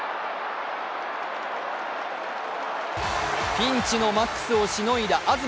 ピンチのマックスをしのいだ東。